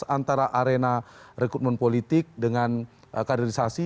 antara arena rekrutmen politik dengan kaderisasi